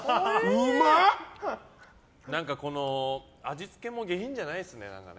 味付けも下品じゃないですよね。